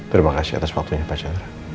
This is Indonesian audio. terima kasih atas waktunya pak chandra